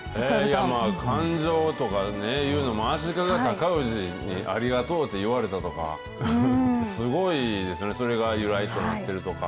感状とかいうのも足利尊氏にありがとうって言われたとか、すごいですね、それが由来となっているとか。